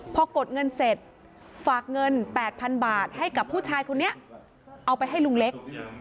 พอกดเงินเสร็จฝากเงิน๘๐๐๐บาทให้กับผู้ชายคนนี้เอาไปให้ลุงเล็ก